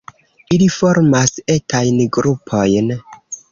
Ili formas etajn grupojn.